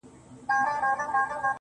• گوره زما گراني زما د ژوند شاعري.